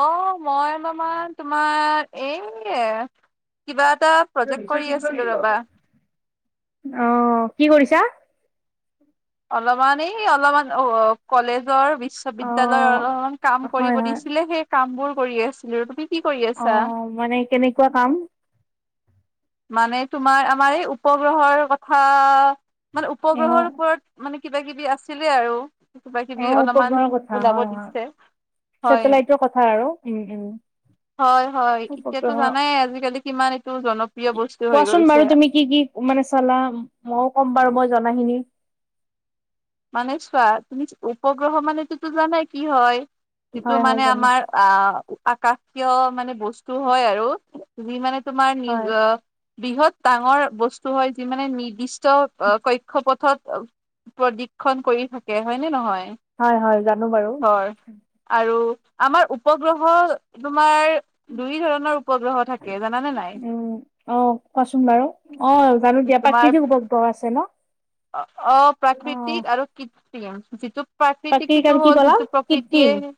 অ মই বাৰামা তোমাৰ এইে কিবা। এটা প্ৰজেক্ট কৰি আছিলো ৰবা। আহ কি কৰিছা। অলপমান এই অলপমান অ কলেজৰ। বিশ্ববিদ্য়ালয় অ' অলমান কাম কৰিব হয় হয় দিছিলে সেই কাম বোৰ কৰি আছিলো তুমি। কি কৰি অ আছা? মানে কেনেকুৱা কাম। মানে তোমাৰ আমাৰ এই উপগ্ৰহৰ কথা। মানে উপগ্ৰহৰ অ' ওপৰত মানে কিবা কিবি আছিলে আৰু। কিবা কিবি অ' অলপমান উপগ্ৰহৰ কথা ওলাব হয় হয়। দিছে হয়। ছেটেলাইটৰ কথা আৰু উম উম। হয় হয় এতিয়াতো উপগ্ৰহ জানাই আজিকালি কিমান এইটো জনপ্ৰিয়। বস্তু হৈ কোৱাচোন গৈছে বাৰু তুমি কি কি মানে চলা মইো ক'ম বাৰু মই। কাহিনী। মানে চোৱা তুমি উপগ্ৰহ মানেতো জানাই কি হয়? যিটো হয় হয় মানে জানো। আমাৰ আহ আকাশীয় মানে বস্তু হয় আৰু যি মানে তুমাৰ নিজ হয় বৃহৎ ডাঙৰ বস্তু হয় যি মানে নিৰ্দিষ্ট কক্ষ পথত প্ৰদিপ। ন কৰি থাকে হয় নে নহয়। হয় হয় জানো বাৰু ধৰ আৰু আমাৰ উপগ্ৰহ তোমাৰ দুই ধৰণৰ উপগ্ৰহ থাকে জানানে নাই। উম। অ কোৱাচোন বাৰু অ জানো দিয়া তোমাৰ প্ৰাকৃতিক উপগ্ৰহ আছে ন অ', অপ্ৰাকৃতিক আৰু কৃত্ৰিম যিটো। প্ৰাকৃতিক প্ৰাকৃতিকটোতো আৰু কি হ'ল ক'লা যিটো কৃত্ৰিম। প্ৰকৃতিয়ে।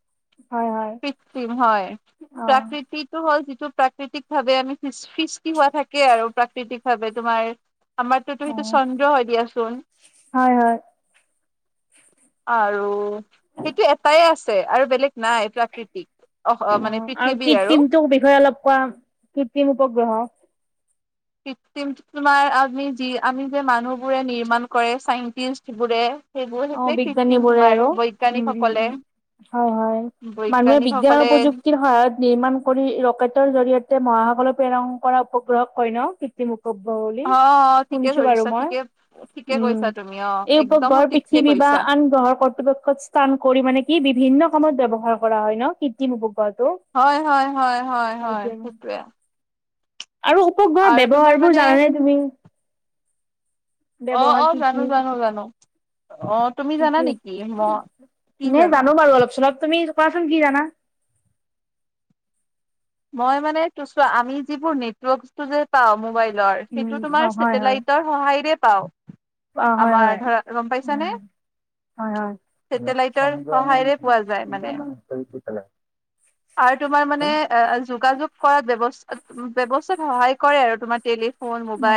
হয় হয়। কৃৃত্ৰিম হয় অ' প্ৰাকৃতিটো হল। প্ৰাকৃতিক ভাৱে আমি সৃষ্টি হোৱা থাকে আৰু প্ৰাকৃতিক ভাৱে তোমাৰ। আমাৰ তটোতটো হয়তো অ' চন্দ্ৰ হয়। দিয়াচোন হয় হয়। আৰু সেইটো এটাই আছে আৰু বেলেগ নাই প্ৰাকৃতিক অহ অ মানে আৰু পৃথিৱীৰ কৃত্ৰিমটো বিষয়ে অলপ কোৱা কৃত্ৰিম উপগ্ৰহ। কৃতিম তোমাৰ আমি যি আমি যে মানুহবোৰে নিৰ্মাণ কৰে চাইন্টিষ্টবোৰে। সেইবোৰ অ সেইটোৱে কৃএিম বিজ্ঞানীবোৰে তোমাৰ আৰু উম উম বৈজ্ঞানিকসকলে। উম হয় হয়। মানুহে বিজ্ঞান আৰু প্ৰযুক্তিৰ সহায়ত নিৰ্মাণ কৰি ৰকেটৰ জৰিয়তে মৰা হ অকলো প্ৰেৰণ কৰা উপগ্ৰহ ক ন কৃএি উপগ্ৰহ। বুলি অ ঠিকে শুনিছো বাৰু ধৰিছা মই ঠিকে ঠিকে উম কৈছা তুমি অ এই একদম উপগ্ৰহৰ পি সঠিককে খিনি বাহ কৈছা। আন গ্ৰহৰ কৰ্তৃপক্ষত স্থান কৰি মানে কি বিভিন্ন? বিভিন্ন কামত ব্যৱহাৰ কৰা হয় ন কৃএিম উপগ্ৰহ। হয়, হয়, হয়, হয়, হয়, হয় সেইটোৱে। আৰু উপগ্ৰহৰ আৰু তোমাৰ ব্যৱহাৰবোৰ মানে জানানে তুমি? অ ব্যৱহাৰ অ জানো জানো জানো। অ তুমি জানা তাকে নেকি ম কি নে জানা জানো বাৰু অলপ-চলপ। তুমি? কোবাচোন কি জানা? মই মানে ত আমি যিবোৰ নেটৱৰ্ক যে পাওঁ ম'বাইল। লৰ সেইটো উম তোমাৰ অ হয় হয় চছেটেলাইটৰ সহায়ৰে পাওঁ। অ হয় আমাৰ হয় ধৰা গম পাইছ উম নে? হয় হয় ছেটেলাইটৰ সহায়েৰে পোৱা যায় মানে। আৰু তোমাৰ মানে যোগাযোগ। কৰাত ব্যৱস্থা ব্যৱস্থাত সহায় কৰে আৰু তোমাৰ তেটলিত। অ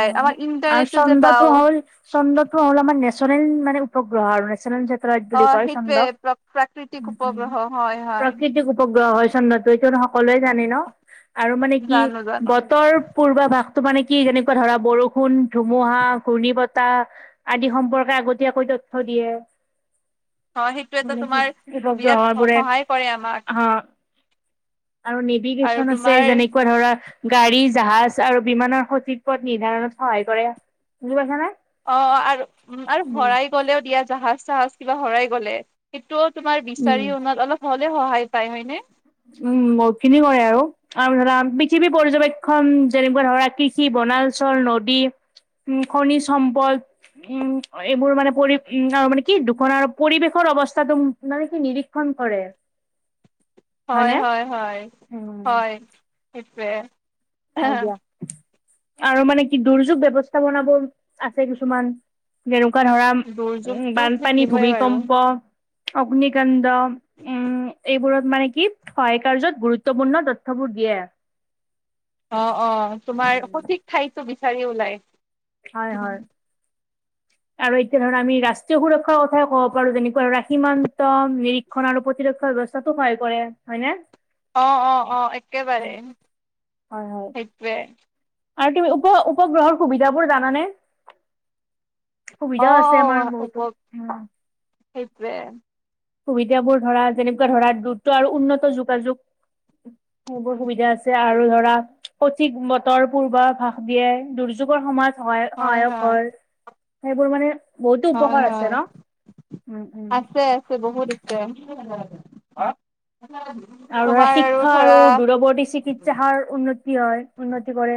আৰু ছন্দটো হ'ল চন্দ্ৰটো হ'ল আমাৰ নেচ নেচৰেন মানে উপগ্ৰহ আৰু নেচনেল জাতিয়। অ বুলি কয় সেইটোৱে চন্দ্ৰহ প্ৰ প্ৰাকৃতিক উম উম উপগ্ৰহ হয় হয় প্ৰাকৃতিক উপগ্ৰহ হয়। চন্দ্ৰ এইটো সকলোৱে জানে ন আৰু মানে কি? জানো জানো বতৰ পূৰ্বাভাসটো মানে কি? কি যেনেকুৱা ধৰা বৰষুণ, ধুমুহা, ঘূৰ্ণী বতাহ আদি সম্পৰ্কে আগতীয়াকৈ তথ্য দিয়ে। দিয়ে। অ সেইটো এটা মানে কি তোমাৰ বিৰাট গ্ৰহৰ বোৰে সহায় কৰে আমাক আহ। আৰু আৰু নেভিগেচন আছে তোমাৰ যেনেকুৱা ধৰা গাড়ী জাহাজ আৰু বিমানৰ স ই পথ নিৰ্ধাৰণত সহায় কৰে বুজি পাইছা নে? অ আৰু উ আৰু উম, হৰাই গলেও দিয়া জাহাজ তাহাজ কিবা হৰাই গলে সেইটো তোমাৰ উম, বিচাৰি অনাত অলপ হ'লে সহায় পায় হয়নে? উম বহুত খিনি কৰে আৰু আৰু ধৰা পৃথিৱী পৰ্যবেক্ষণ যেনেকুৱা ধৰা কৃষি ব বনাচল নদী, উ খনিজ সম্পদ। উম এইবোৰ মানে পৰি উম আৰু মানে কি দুখ পৰিৱেশৰ অৱস্থাটো মানে কি নিৰীক্ষণ কৰে। হয় হয়নে? হয় হয় উম, হয় সেইটোৱে। হক দিয়া। আৰু মানে কি দুৰ্যোগ ব্যৱস্থাপনাবোৰ আছে। কিছুমান। ধৰা উ দুৰ্যোগটো বানপানী, থাকিবই বাৰু ভূমিকম্প, অগ্নিকাণ্ড। উম এইবোৰত মানে কি সহায় কাৰ্যত গুৰুত্বপূৰ্ণ তথ্যবোৰ দিয়ে। অ অ তোমাৰ সঠিক ঠাইতো বিচাৰি ওলাই। হয় হয়। আৰু এতিয়া ধৰা আমি ৰাষ্ট্ৰীয় সুৰক্ষাৰ কথাই ক'ব পাৰো। যেনেকুৱা সীমান্ত নিৰীক্ষণ আৰু প্ৰতিৰক্ষা ব্যৱস্থা। তো সহায় কৰে। হয় নে? অ অ অ একেবাৰে হয় হয় সেইটোৱে। আৰু তুমি উপ উপগ্ৰহৰ সুবিধাবোৰ জানানে? অ সুবিধা আছে অ আমাৰ উপ বহুতো সেইটোৱে সুবিধাবোৰ ধৰা যেনেকুৱা ধৰা দ্ৰুত আৰু উন্নত যোগাযোগ। সেইবোৰ সুবিধা আছে আৰু ধৰা সঠিক বতৰ পূৰ্ব আভাস দিয়ে। দুৰ্য যুগৰ সময়ত সহায় সহায়ক হয়। সেইবোৰ মানে বহুতো হয় উপকাৰ আছে হয় ন? উম -উম অ। আৰু ধৰা শিক্ষা আৰু দূৰৱৰ্তী চিকিৎসাৰ উন্নতি হয় উন্নতি কৰে।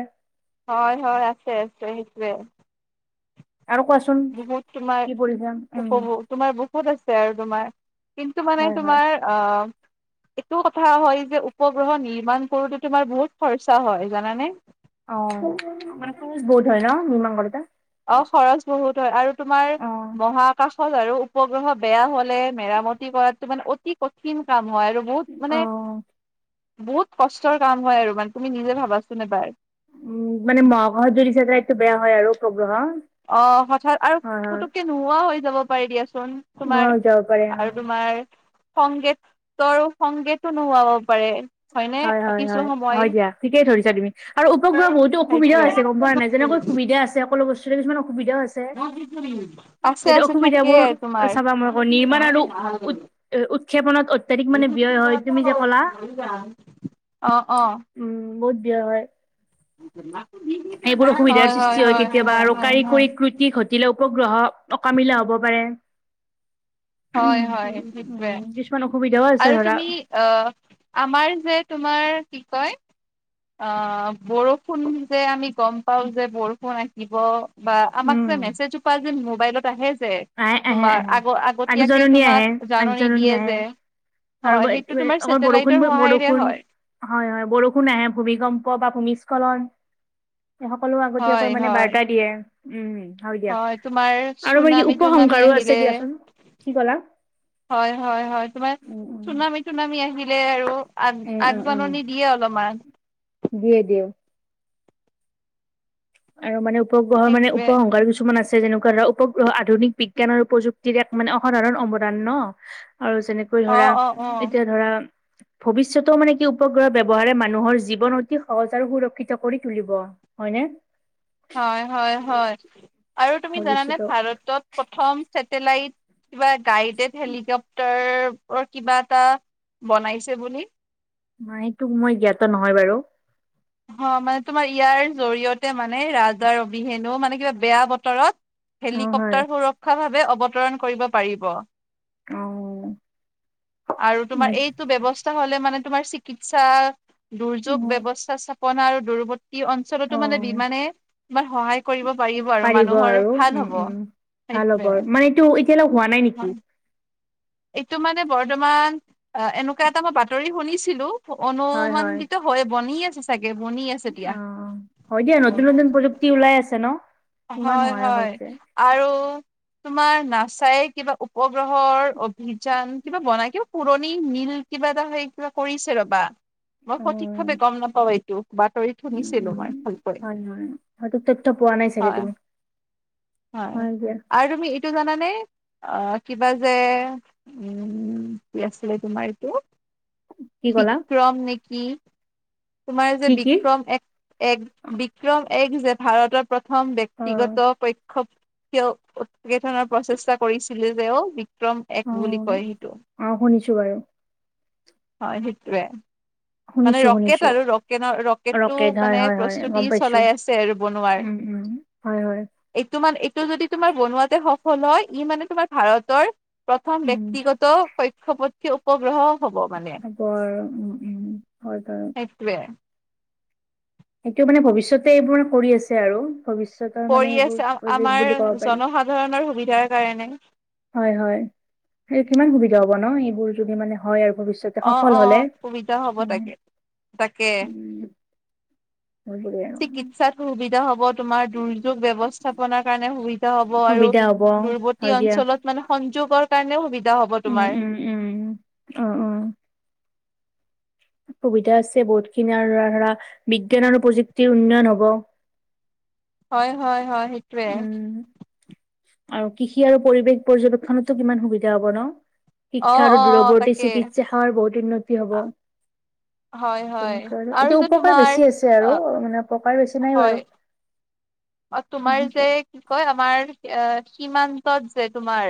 হয়-হয় আছে আছে সেইটোৱে। আৰু কোৱাচোন বহুত তোমাৰ কি পঢ়িছা উম উপভোগ তোমাৰ বহুত আছে আৰু তোমাৰ কিন্তু মানে হয় হয় তোমাৰ অহ এইটো কথা হয় যে উপগ্ৰহ নিৰ্মাণ কৰোতে তোমাৰ বহুত খৰচা হয় জানানে? অ মানে বহুত হয় ন নিৰ্মাণ কৰোঁতে? অ খৰচ বহুত হয় আৰু তোমাৰ অ মহা আকাশ। আৰু উপগ্ৰহ বেয়া হলে মেৰামতি কৰাটো মানে অতি কঠিন কাম। হয় আৰু বহুত মানে। অ বহুত কষ্টৰ কাম হয় আৰু মানে তুমি নিজে ভাবাচোন এবাৰ। মানে মহাভাৰত যদি চাইচে এইটো বেয়া হয় আৰু অ হঠাৎ আৰু হয় হয় পুতুককে নোহোৱাও হৈ যাব পাৰি দিয়াচোন। নোহোৱা তোমাৰ হৈ যাব পাৰে অ আৰু তোমাৰ সংগীতৰো সংগেতো নোহোৱা হ'ব পাৰে। হয়নে হয় হয় কিছু হয় সময় হয় দিয়া। ঠিকেই ধৰিছা তুমি আৰু উপগ্ৰহ বহুতো অসুবিধাও সেইটোৱে আছে গম পোৱা নাই। যেনেকৈ সুবিধা আছে সকলো বসু সুবিধা হৈছে। আছে এইটো আছে থাকে অসুবিধাবোৰ তোমাৰ চাবা মই আকৌ নিৰ্মাণ আৰু উ উৎক্ষেপন। ত অত্যাধিক মানে ব্যয় হয় তুমি যে ক'লা। অ অ। দিয়া হয়। [inaudible] এইবোৰ অসুবিধাৰ সৃষ্টি হয়। কেতিয়াবা আৰু কাৰিকৰী কৃতি ঘটিলেও। উপগ্ৰহ অকামিলা হ'ব পাৰে। হয় হয় সেইটোৱে। উম কিছুমান অসুবিধাও আছে আৰু ধৰা তুমি আহ আমাৰ যে তোমাৰ কি কয়। অ বৰষুণ যে আমি গম পাও যে বৰষুণ আহিব। বা আমাক যে উম মেছেজো পোৱা যে মোবাইলত আহে যে আহে আহে তোমাৰ আহে আগ আগত। আগজাননী আহে আগজননী আহে। আৰু হয় সেইটো তোমাৰ অকল বৰষুণ ছেটেলাইটৰ সহায়েৰে বৰষুণ। হয় হয় হয় বৰষুণ আহে ভূমিকম্প বা। ভূমিস্খলন স সকলো আগতীয়াকৈ হয় মানে হয় বাৰ্তা দিয়ে। উম হয়, তোমাৰ আৰু মানে কি চুনামী ছুনামি উপসংহাৰো আছে আহিলে, দিয়াচোন কি ক'লা হয়-হয়-হয়। তোমাৰ উম উম ছুনামি টুনা মি আহিলে আৰু আগ উম উম উম আগজাননী দিয়ে অলপমান। দিয়ে, দিয়ে। আৰু মানে উপগ্ৰহৰ মানে সেইটোৱে উপসংহাৰ কিছুমান আছে। যেনেকুৱা ধৰা উপগ্ৰহ আধুনিক বিজ্ঞান আৰু প্ৰযুক্তিৰ এক মানে অসাধাৰণ অপদান ন। আৰু যেনেকৈ অ ধৰা অ অ এতিয়া ধৰা। ভৱিষ্যতেও মানে কি উপগ্ৰহ ব্যৱহাৰে মানুহৰ জীৱন অতি সহজ আৰু সুৰক্ষিত কৰি তুলিব। হয়নে। হয় হয় হয় আৰু তুমি জানানে ভৱিষ্যতেও ভাৰতত প্ৰথম। লট কিবা গাইডেড হেলিকপটাৰ কিবা এটা বনাইছে বুলি। মাই তোক মই জ্ঞাত নহয় বাৰু অঁ মানে তোমাৰ ইয়াৰ জৰিয়তে মানে ৰাজাৰ অবিহেনো মানে কিবা বেয়া বতৰত অ হয় হেলিকপ্টাৰ সুৰক্ষাভাৱে অৱতৰণ কৰিব পাৰিব। অ আৰু তোমাৰ মই- এইটো ব্যৱস্থা হলে মানে। তোমাৰ চিকিৎসা দুৰ্যোগ ব্যৱস্থা স্থাপনা আৰু দুৰ। ই অ অঞ্চলতো মানে বিমানে তোমাৰ সহায় কৰিব পাৰিব আৰু মানুহৰ আৰু ভাল উম হব। উম ভাল সেইটোৱে হবৰ মানেটো এতিয়াল হোৱা নাই নেকি? হয় এইটো মানে বৰ্তমান এনেকুৱা এটা মই বাতৰি শুনিছিলো অনুমানিত হয় বনি আছে চাগে। বনি আছে দিয়া। অঁ হয় দিয়া নতুন নতুন প্ৰযুক্তি ওলাই আছে ন। কিমান হয় সহায়ক হয় হৈছে আৰু তোমাৰ নাচাই কিবা উপগ্ৰহৰ অভিযান কিবা বনাই কিবা পুৰণি মিল। কিবা এটা হয় কিবা কৰিছে ৰবা মই সঠিক উম ভাৱে গম নাপাও এইটো। বাতৰি ত উম শুনিছিলো উম মই। সেইটো হয় তোমাৰ হয় আৰু তুমি এইটো জানানে? অ, কিবা যে উম কি আছিলে তোমাৰ এইটো? কি ক'লা বিক্ৰম নেকি? তোমাৰ যে কি কি বিক্ৰম এক এক বিক্ৰম এক যে ভাৰতৰ প্ৰথম অ ব্যক্তিগত কৈ এনেধৰণৰ প্ৰচেষ্টা কৰিছিলে যে অ। বিক্ৰম এক অ বুলি কয় সেইটো। অ শুনিছো বাৰু হয় সেইটোৱে। মানে শুনিছো ৰকেট শুনিছো আৰু ৰকেট ৰকেটটো ৰকেট হয় মানে হয় হয় প্ৰস্তুতি গম পাইছো চলাই আছে আৰু বনোৱাৰ। উম উম, হয়, হয়। এইটো মানে এইটো যদি তোমাৰ বনোৱা সফল হয় ই মানে তোমাৰ ভাৰতৰ প্ৰথম উম ব্যক্তিগত কক্ষপথীয় উপগ্ৰহ হব মানে ৰপৰ উ উম হয়তাৰ [unintelligible] [inaudible] সেইটো মানে ভৱিষ্যতে এইবোৰে কৰি আছে আৰু। ভৱিষ্যতৰ কৰি মানে এইবোৰ আছে প্ৰজেক্ট আমাৰ বুলি ক'ব পাৰি। জনসাধাৰণৰ সুবিধাৰ কাৰণে হয়, হয় কিমান সুবিধা হ'ব ন, এইবোৰ যদি মানে হয় আৰু। ভৱিষ্যতে সফল অ-অ হ'লে সুবিধা হ'ব উম, তাকে, তাকে। উম, সেইবোৰে আৰু। চিকিৎসা কবি তোমাৰ দুৰ্যোগ ব্যৱস্থাপনাৰ কাৰণে সুবিধা হ'ব আৰু সুবিধা হ'ব দূৰবৰ্তী হয় অঞ্চলত মানে সংযোগৰ কাৰণে সুবি উম-উম-উম-উম, অ, উ। সুবিধা আছে বহুতখিনি আৰু ধ ধৰা বিজ্ঞান আৰু প্ৰযুক্তিৰ উন্নয়ন হ'ব। হয়-হয়-হয় সেইটোৱে। উম আৰু কৃষি আৰু পৰিৱেশ পৰ্যবেক্ষণতো কিমান সুবিধা হব ন। অ শিক্ষা আৰু অ দূৰৱৰ্তী তাকে চিকিৎসা সেৱাৰ বহুত উন্নতি হব। হয় হয় তেনেকোৱা আৰু এতিয়া যে উপকাৰ তোমাৰ বেছি আছে অ আৰু মানে ককাৰ বেছি নাই হয় বাৰু। অ তোমাৰ যে কি কয় আমাৰ এ সীমান্তত যে তোমাৰ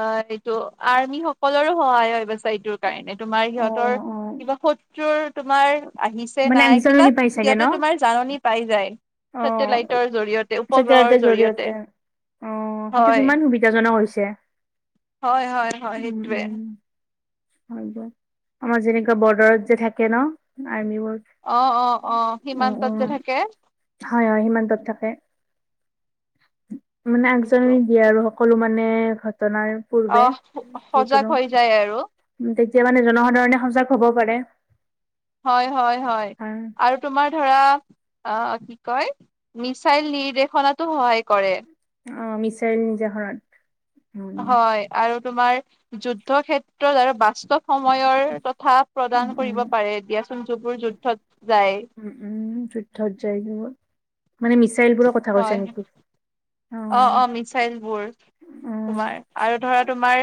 অ এইটো আৰ্মি সকলৰো সহায় হয়। টোৰ কাৰণে। তোমাৰ অ সিহঁতৰ অ কিবা শত্ৰুৰ তোমাৰ আহিছে মানে নাই কিবা আগজাননী পাই চাগে ন সিঁহতে তোমাৰ জাননী পাই যায়। [unintelligible] [unintelligible] জৰিয়তে অ সেইটো হয় কিমান সুবিধাজনক হৈছে। হয়, হয়, হয় উম সেইটোৱে। উম হয় আমাৰ যেনেকুৱা বৰ্ডাৰত যে থাকে ন। আৰ্মীবোৰ, অ অ অ সীমান্তত যে থাকে উ হয় হয় সীমান্তত থাকে। মানে সেইটো আগজাননী দিয়ে আৰু সকলো মানে ঘটনাৰ অ পূৰ্বে সজাগ যিকোনো হৈ যায় আৰু তেতিয়া মানে জনসাধাৰণে সজাগ হ'ব পাৰে। হয়-হয়-হয় অ আৰু তোমাৰ ধৰা আহ কি কয় মিছাইল নিৰ্দেশনাতো সহায় কৰে। অ, মিচাইল [unintelligible] হয় আৰু তোমাৰ যুদ্ধ ক্ষেত্ৰত আৰু বাস্তৱ সময়ৰ সাহস প্ৰদান উম কৰিব পাৰে দিয়াচোন যিবোৰ যুদ্ধত যায়। উম, উম, যুদ্ধত জয় মানে মিছাইলবোৰৰ কথা কৈছা নেকি? অ অ-অ মিচাইলবোৰ। উম, তোমাৰ আৰু ধৰা তোমাৰ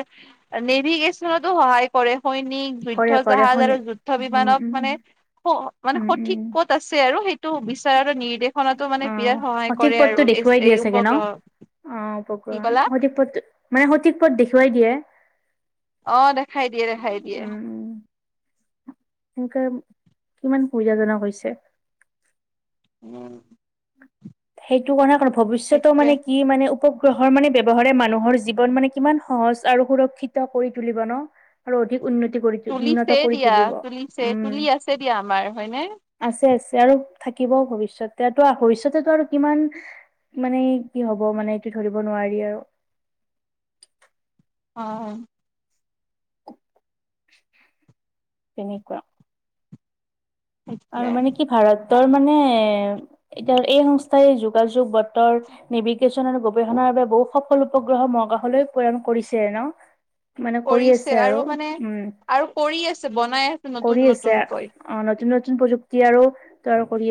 নেভিগেশ্যনতো সহায় কৰে। সৈনিক কৰে যুদ্ধ কৰে জাহাজ শুনি আৰু যুদ্ধ উম, বিমানক উম, উম, মানে স মানে উম, সঠিক উম ক'ত আছে আৰু সেইটো বিচাৰাতো নিৰ্দেশনাতো মানে বিৰাট সহায় কৰে আৰু এচ এ উ [unintelligible] গে ন অ উপগ্ৰহৰ সঠিক পথ মানে সঠিক পথ দেখুৱাই দিয়ে। অ দেখাই দিয়ে দেখাই দিয়ে। এনেকে কিমান সুবিধাজনক হৈছে। উম। সেইটো কথা কাৰ ভৱিষ্যতৰ সেইটোৱে মানে কি মানে উপগ্ৰহৰ মানে ব্যৱহাৰে মানুহৰ জীৱন মানে কিমান সহজ আৰু সুৰক্ষিত কৰি তুলিব ন। আৰু অধিক উন্নতি কৰি উন্নত তুলিছে কৰি দিয়া তুলিব তুলিছে উম তুলি আছে দিয়া আমাৰ হয়নে আছে আছে। তে আৰু থাকিব ভৱিষ্যতে ভৱিষ্যতেতো আৰু কিমান মানে কি হ'ব মানে এইটো ধৰিব নোৱাৰি আৰু। [inaudible] অ। তেনেকুৱা আৰু মানে কি ভাৰাত বতৰ মানে এতিয়া এই সংস্থাই যোগাযোগ বতৰ নেভিগেশ্যন আৰু গৱেষণা এইবাৰ বহু সফল উপগ্ৰহ মহাকাশলৈ প্ৰেৰণ কৰিছে ন মানে কৰি কৰিছে আছে আৰু মানে উম। আৰু কৰি আছে বনাই আছে কৰি নতুন আছে নতুনকৈ। অ নতুন নতুন প্ৰযুক্তি আৰু তৈয়াৰ কৰি আছে।